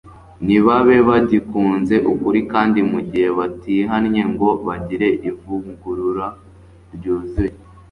ntibabe bagikunze ukuri, kandi, mu gihe batihannye ngo bagire ivugurura ryuzuye